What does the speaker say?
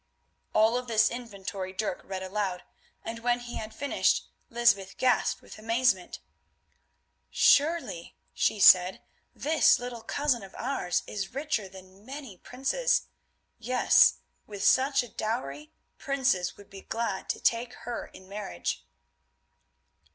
All of this inventory Dirk read aloud, and when he had finished Lysbeth gasped with amazement. "Surely," she said, "this little cousin of ours is richer than many princes. Yes, with such a dowry princes would be glad to take her in marriage."